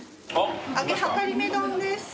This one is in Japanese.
揚げはかりめ丼です。